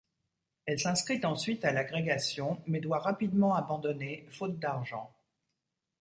Elle s’inscrit ensuite à l’agrégation, mais doit rapidement abandonner, faute d’argent.